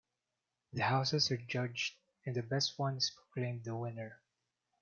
The houses are judged and the best one is proclaimed the winner.